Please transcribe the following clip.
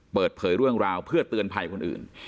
เปิดเผยเรื่องราวเพื่อเตือนภัยคนอื่น